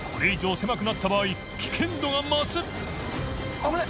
危ない！